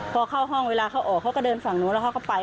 พอเข้าห้องเวลาเขาออกเขาก็เดินฝั่งนู้นแล้วเขาก็ไป